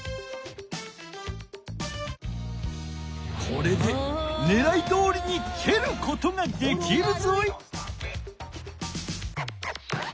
これでねらいどおりにけることができるぞい。